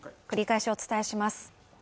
繰り返しお伝えします。